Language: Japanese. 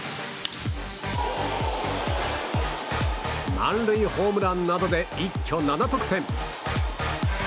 満塁ホームランなどで一挙７得点。